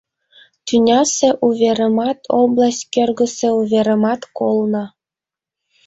Тӱнясе уверымат, область кӧргысӧ уверымат колна.